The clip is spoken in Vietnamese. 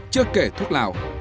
chưa kể thuốc lào